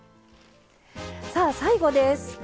さあ最後です。